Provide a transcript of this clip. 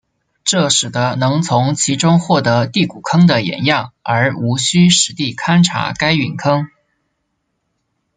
这使得能从其中获得第谷坑的岩样而无需实地勘查该陨坑。